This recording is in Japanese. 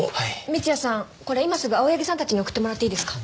三ツ矢さんこれ今すぐ青柳さんたちに送ってもらっていいですか？